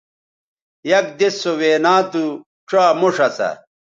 یک دِس سو وینا تھو ڇا موݜ اسا